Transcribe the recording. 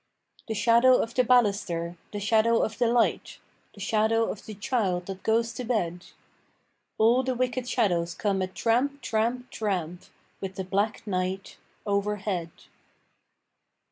The shadow of the baluster, the shadow of the light, The shadow of the child that goes to bed, All the wicked shadows come a tramp, tramp, tramp, With the black night overhead.